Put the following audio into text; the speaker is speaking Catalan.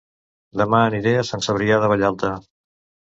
Dema aniré a Sant Cebrià de Vallalta